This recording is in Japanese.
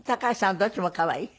どっちも可愛いですね。